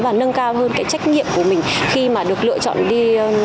và nâng cao hơn trách nhiệm của mình khi được lựa chọn đi